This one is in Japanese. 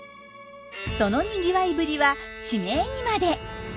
そのにぎわいぶりは地名にまで。